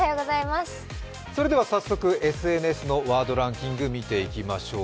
それでは早速、ＳＮＳのワードランキング見ていきましょう。